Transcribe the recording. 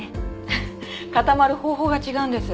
固まる方法が違うんです。